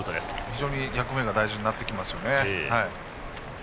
非常に役目が大事になってきますね。